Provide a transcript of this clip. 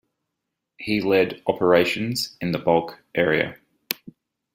He led operations in the Balkh area.